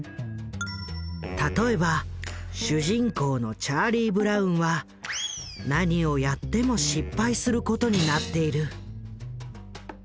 例えば主人公のチャーリー・ブラウンは何をやっても失敗することになっている。